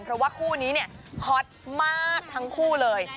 เพราะว่าคู่นี้เนี่ยฮอตมากทั้งคู่เลย